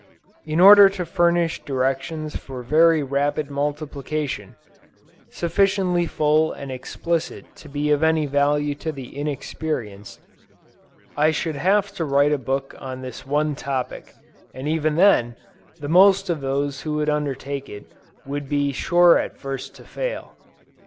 In order to furnish directions for very rapid multiplication, sufficiently full and explicit to be of any value to the inexperienced, I should have to write a book on this one topic; and even then, the most of those who should undertake it, would be sure at first to fail.